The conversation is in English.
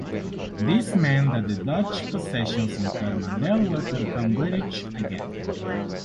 This meant that the Dutch possessions in Coromandel were to become British again.